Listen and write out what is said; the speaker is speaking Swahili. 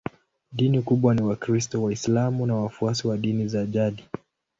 Dini kubwa ni Wakristo, Waislamu na wafuasi wa dini za jadi.